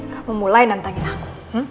kamu mulai nantangin aku